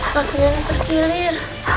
pakai nenek terkilir